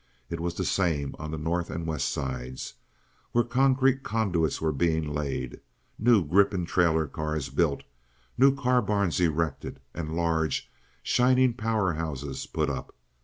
It was the same on the North and West Sides, where concrete conduits were being laid, new grip and trailer cars built, new car barns erected, and large, shining power houses put up.